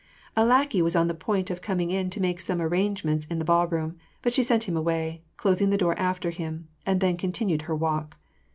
A lackey was on the point of coming in to make some arrange ments in the ballroom ; but she sent him away, closing the door after him, and then continued her walk.